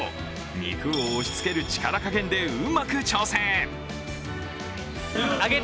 肉を押しつける力加減でうまく調整。